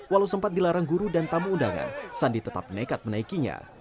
walau sempat dilarang guru dan tamu undangan sandi tetap nekat menaikinya